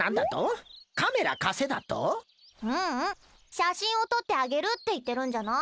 写真を撮ってあげるって言ってるんじゃない？